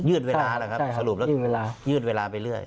เวลานะครับสรุปแล้วยืดเวลาไปเรื่อย